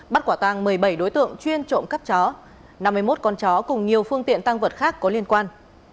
bắt quả tăng một mươi bảy đối tượng chuyên trộm cắp chó năm mươi một con chó cùng nhiều phương tiện tăng vật khác có liên quan